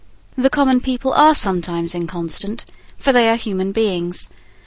The common people are sometimes inconstant; for they are human beings.